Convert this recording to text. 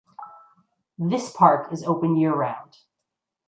This park is open year round.